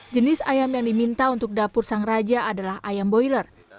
jenis ayam yang diminta untuk dapur sang raja adalah ayam boiler